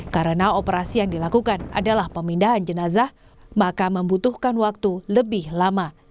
karena operasi yang dilakukan adalah pemindahan jenazah maka membutuhkan waktu lebih lama